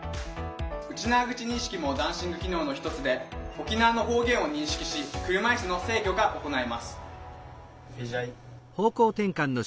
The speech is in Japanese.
うちなーぐち認識もダンシング機能の一つで沖縄の方言を認識し車いすの制御が行えます。